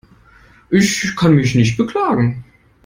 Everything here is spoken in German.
Ich kann mich nicht beklagen.